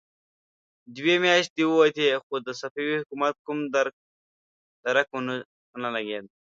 دوې مياشتې ووتې، خو د صفوي حکومت کوم درک ونه لګېد.